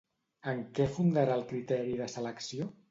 En què fundarà el criteri de selecció?